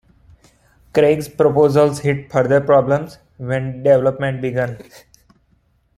Craig's proposals hit further problems when development began.